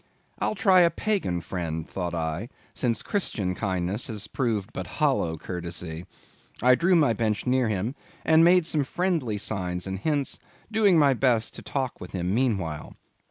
I'll try a pagan friend, thought I, since Christian kindness has proved but hollow courtesy. I drew my bench near him, and made some friendly signs and hints, doing my best to talk with him meanwhile.